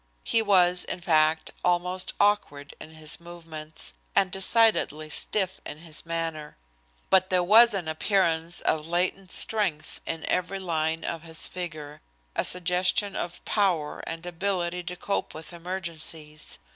He was, in fact, almost awkward in his movements, and decidedly stiff in his manner. But there was an appearance of latent strength in every line of his figure, a suggestion of power and ability to cope with emergencies.